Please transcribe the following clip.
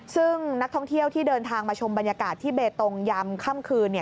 ซึ่งนักท่องเที่ยวที่เดินทางมาชมบรรยากาศที่เบตงยามค่ำคืน